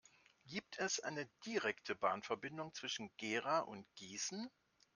Gibt es eine direkte Bahnverbindung zwischen Gera und Gießen?